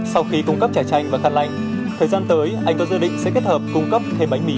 sau khi cung cấp chả chanh và khăn lạnh thời gian tới anh có dự định sẽ kết hợp cung cấp thêm bánh mì